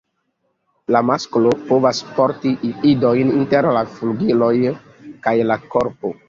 La masklo povas porti idojn inter la flugiloj kaj la korpo.